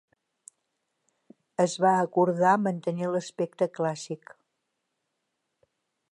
Es va acordar mantenir l'aspecte clàssic.